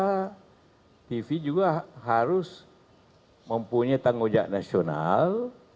karena tv juga harus mempunyai tanggung jawab nasional